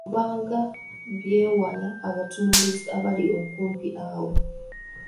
Oba nga byewala abatunuulizi abali okumpi awo.